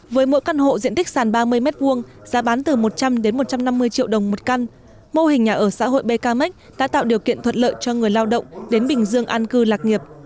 với mỗi căn hộ diện tích sàn ba mươi m hai giá bán từ một trăm linh đến một trăm năm mươi triệu đồng một căn mô hình nhà ở xã hội bkmec đã tạo điều kiện thuận lợi cho người lao động đến bình dương an cư lạc nghiệp